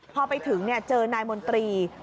พอไปถึงเจอนายมนตรี